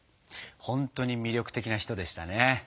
ほんとに魅力的な人でしたね。